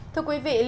thưa quý vị